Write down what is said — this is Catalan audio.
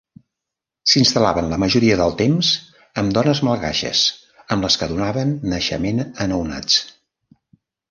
S'instal·laven la majoria del temps amb dones malgaixes, amb les que donaven naixement a nounats.